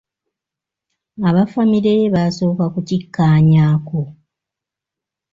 Aba famire ye basooka kukikkaanyaako.